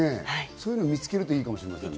そういうのを見つけるといいかもしれない。